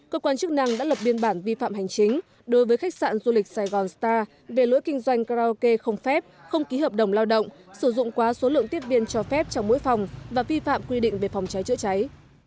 cơ quan chức năng đã lập biên bản vi phạm hành chính đối với khách sạn du lịch sài gòn star về lỗi kinh doanh karaoke không phép không ký hợp đồng lao động sử dụng quá số lượng tiếp viên cho phép trong mỗi phòng và vi phạm quy định về phòng cháy chữa cháy